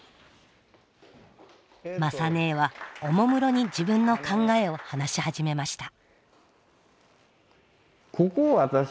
雅ねえはおもむろに自分の考えを話し始めました。